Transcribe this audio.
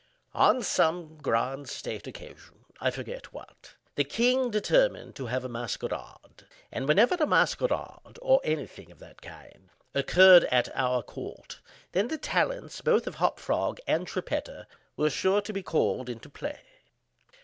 On some grand state occasion—I forgot what—the king determined to have a masquerade, and whenever a masquerade or any thing of that kind, occurred at our court, then the talents, both of Hop Frog and Trippetta were sure to be called into play.